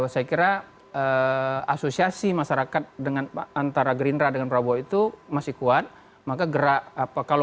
saya kira asosiasi masyarakat dengan antara gerindra dengan prabowo itu masih kuat maka gerak apa kalau